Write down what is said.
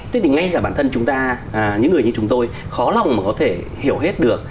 thế thì ngay cả bản thân chúng ta những người như chúng tôi khó lòng mà có thể hiểu hết được